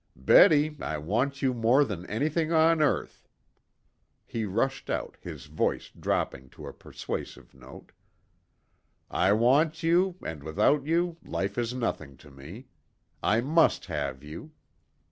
Betty, I want you more than anything on earth," he rushed on, his voice dropping to a persuasive note. "I want you, and without you life is nothing to me. I must have you!"